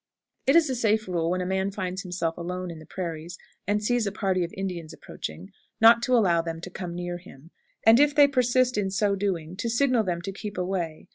It is a safe rule, when a man finds himself alone in the prairies, and sees a party of Indians approaching, not to allow them to come near him, and if they persist in so doing, to signal them to keep away.